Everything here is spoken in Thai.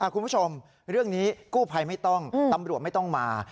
คุณผู้ชมเรื่องนี้กู้ภัยไม่ต้องตำรวจไม่ต้องมา